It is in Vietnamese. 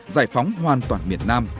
giải phóng hoàn toàn miền nam